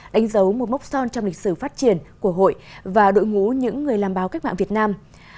đánh dấu một mốc son trong lịch sử phát triển của hội và đội ngũ những người làm báo cách mạng việt nam